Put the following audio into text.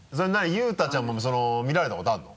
佑太ちゃんも見られたことあるの？